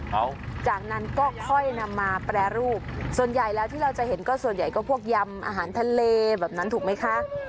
หลังจากนั้นก็ค่อยนำมาแปรรูปส่วนใหญ่แล้วที่เราจะเห็นก็ส่วนใหญ่ก็พวกยำอาหารทะเลแบบนั้นถูกไหมคะ